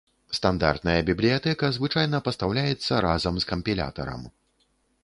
Стандартная бібліятэка звычайна пастаўляецца разам з кампілятарам.